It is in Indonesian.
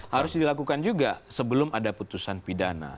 harus dilakukan juga sebelum ada putusan pidana